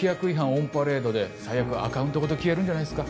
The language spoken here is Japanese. オンパレードで最悪アカウントごと消えるんじゃないっすか？